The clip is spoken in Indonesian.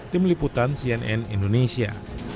tim liputan cnn indonesia